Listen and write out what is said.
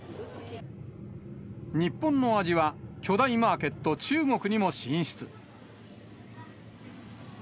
日本の味は巨大マーケット、中国にも進出。